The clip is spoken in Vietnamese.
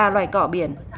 ba loài cỏ biển